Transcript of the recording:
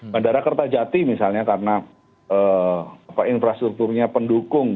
bandara kertajati misalnya karena infrastrukturnya pendukung